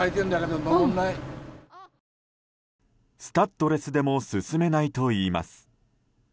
スタッドレスでも進めないといいます。